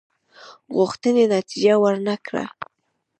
غوښتنې نتیجه ورنه کړه.